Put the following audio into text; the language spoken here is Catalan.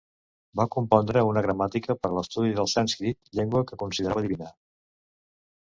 Va compondre una gramàtica per a l'estudi del sànscrit, llengua que considerava divina.